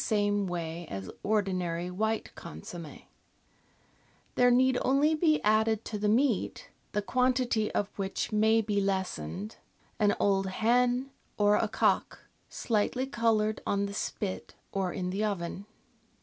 e way as ordinary white consomm^. There need only be added to the meat, the quantity of which may be lessened, an old hen or a cock, slightly coloured on the spit or in the oven.